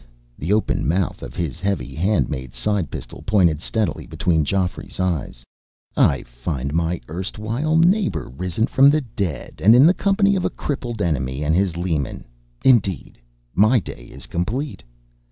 The open mouth of his heavy, handmade side pistol pointed steadily between Geoffrey's eyes. "I find my erstwhile neighbor risen from the dead, and in the company of a crippled enemy and his leman. Indeed, my day is complete."